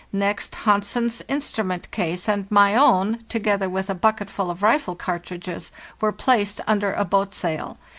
Next, Hansen's instrument case and my own, together with a bucketful of rifle cartridges, were placed under a boat sail.